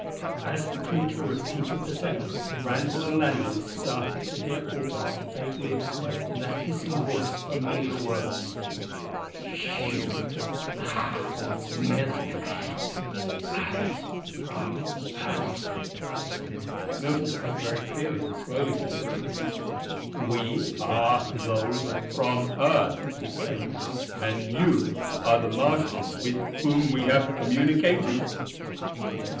As the creature repeated the sounds, Randall and Lanier started to hear also vaguely expressed in that hissing voice familiar words: "You are Milton and others from earth?" Milton spoke very clearly and slowly to the creature: "We are those from earth," he said. "And you are the Martians with whom we have communicated?"